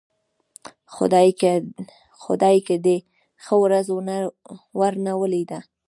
خدايکه دې ښه ورځ ورنه ولېده.